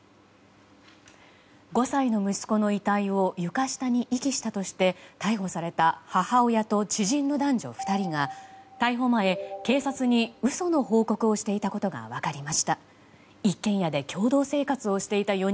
５歳の息子の遺体を床下に遺棄したとして逮捕された母親と知人の男女２人が逮捕前、警察に嘘の報告をしていたことが分かりました。